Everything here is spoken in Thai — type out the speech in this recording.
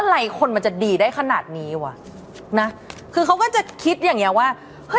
อะไรคนมันจะดีได้ขนาดนี้วะ